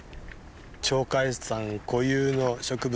鳥海山固有の植物